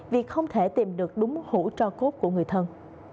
vì không thể tìm được đúng hũ cho cốt của người thân